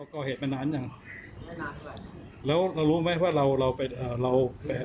ก่อเหตุมานานจังแล้วเรารู้ไหมว่าเราเราเป็นเอ่อเราแล้วเรา